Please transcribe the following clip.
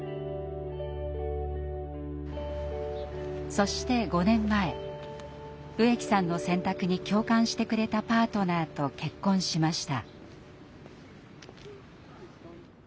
そして５年前植木さんの選択に共感してくれたパートナーと結婚しました。